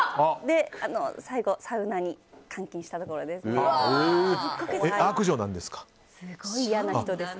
最後、サウナに監禁したところです。